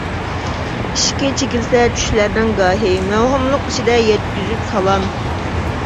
ئىشىكى چېكىلسە چۈشلەرنىڭ گاھى، مەۋھۇملۇق ئىچىدە يەتكۈزۈپ سالام.